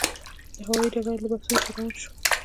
له هوايي ډګره له بکسونو سره روان شوو.